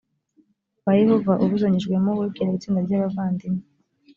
ba yehova ubuzanyijwemo wegereye itsinda ry abavandimwe